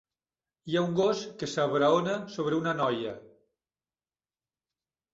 Hi ha un gos que s'abraona sobre una noia.